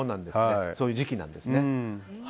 そういう時期なんですね。